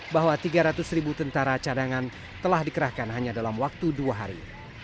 bahwa tiga ratus ribu tentara cadangan telah dikerahkan hanya dalam waktu dua hari